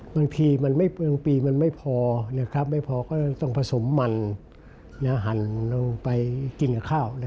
บางทีปีมันไม่พอไม่พอก็ต้องผสมมันอาหารลงไปกินกับข้าว